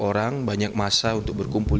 orang banyak masa untuk berkumpul